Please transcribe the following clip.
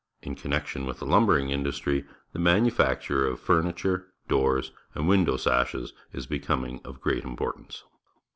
In connection with the lumbering industry, the manufacture of furniture ^oors, and_windn\v sashes is becoming of great importance.